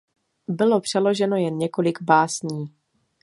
Bylo přeloženo jen několik básní.